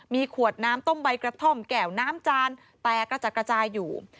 มีขวดน้ำต้มใบกระท่อมแก่วน้ำจานแตกกระจัดกระจายอยู่